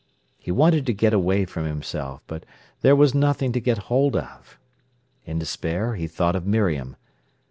He wanted to get away from himself, but there was nothing to get hold of. In despair he thought of Miriam.